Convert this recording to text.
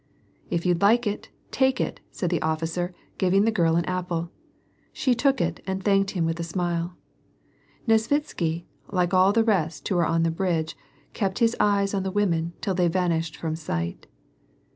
" If you'd like it, take it " said the officer, giving the girl an apple. She took it and thanked him with a smile. Nesvitsky, like all the rest who were on the bridge, kei>t his eyes on the women till they vanished from sight.